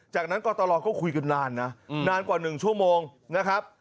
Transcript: จากนั้นกตรก็คุยกันนานนะนานกว่า๑ชั่วโมงนะครับ